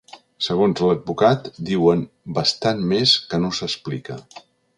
Segons l’advocat, diuen ‘bastant més que no s’explica’.